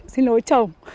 xin lỗi chồng